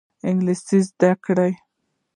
انګلیسي زده کړئ